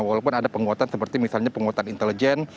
walaupun ada penguatan seperti misalnya penguatan intelijen